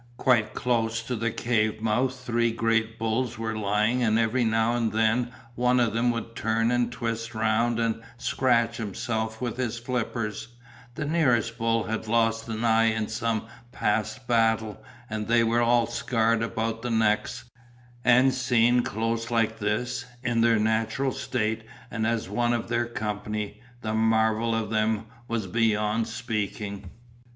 Quite close to the cave mouth three great bulls were lying and every now and then one of them would turn and twist round and scratch himself with his flippers, the nearest bull had lost an eye in some past battle and they were all scarred about the necks, and seen close like this, in their natural state and as one of their company, the marvel of them, was beyond speaking.